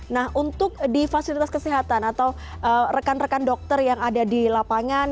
nah untuk di fasilitas kesehatan atau rekan rekan dokter yang ada di lapangan